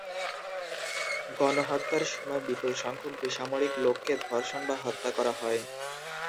গণহত্যার সময় বিপুল সংখ্যক বেসামরিক লোককে ধর্ষণ বা হত্যা করা হয়।